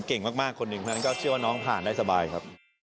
คนอื่นนั้นก็เชื่อว่าน้องผ่านได้สบายครับ